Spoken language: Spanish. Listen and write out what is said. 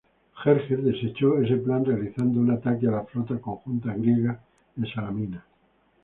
Jerjes desechó ese plan, realizando un ataque a la flota conjunta griega en Salamina.